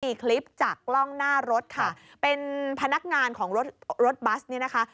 มีคลิปจากกล้องหน้ารถค่ะเป็นพนักงานของรถรถบัสเนี่ยนะคะ